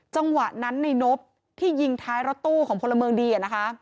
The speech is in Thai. จังหวะนั้นในนบที่ยิงท้ายรถตู้ของพลเมืองดี